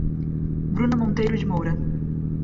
Bruna Monteiro de Moura